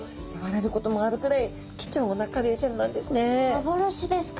幻ですか？